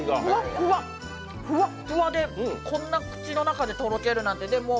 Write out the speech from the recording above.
ふわっふわで、こんな口の中でとろけるなんて。